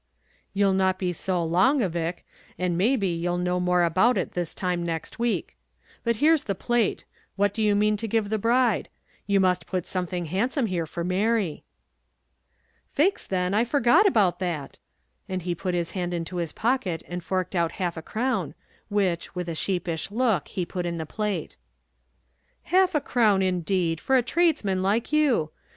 "You'll not be so long, avick; and may be you'll know more about it this time next week. But here's the plate; what do you mean to give the bride? you must put something handsome here for Mary." "Faix then I forgot about that;" and he put his hand into his pocket and forked out half a crown, which, with a sheepish look, he put in the plate. "Half a crown, indeed, for a tradesman like you!